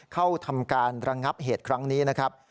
เข้าทำการระงับเหตุครั้งนี้นะครับ